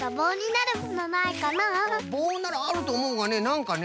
ぼうならあるとおもうがねなんかね。